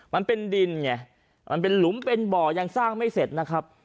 มันเป็นดินไงมันเป็นหลุมเป็นบ่อยังสร้างไม่เสร็จนะครับ